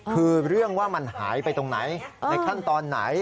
คือเรื่องว่ามันหายไปตรงไหนในขั้นตอนไหน